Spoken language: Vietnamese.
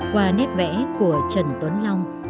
qua nét vẽ của trần tuấn long